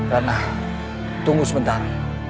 rana tunggu sebentar